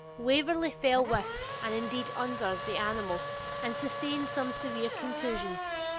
Waverley fell with, and indeed under, the animal, and sustained some severe contusions.